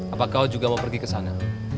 apa kau juga mau pergi ke sana